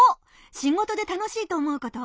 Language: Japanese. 「仕事で楽しいと思うこと」？